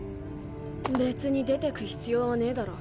別に出てく必要はねえだろ